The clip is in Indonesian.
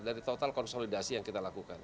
dari total konsolidasi yang kita lakukan